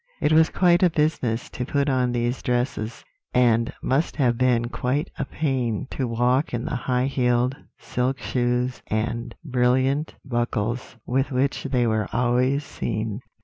It was quite a business to put on these dresses, and must have been quite a pain to walk in the high heeled silk shoes and brilliant buckles with which they were always seen.